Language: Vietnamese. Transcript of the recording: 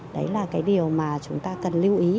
đấy là cái điều mà chúng ta cần lưu ý